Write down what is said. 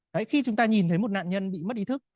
đấy khi chúng ta nhìn thấy một nạn nhân bị mất ý thức